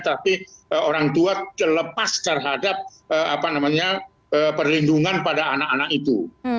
tapi orang tua lepas terhadap perlindungan pada anak anak itu